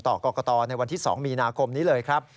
ต่อกรกตในวันที่๒มีนาคมนี้เลยครับ